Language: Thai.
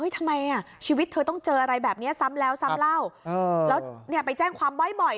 ทำไมชีวิตเธอต้องเจออะไรแบบนี้ซ้ำแล้วซ้ำเล่าแล้วไปแจ้งความไว้บ่อย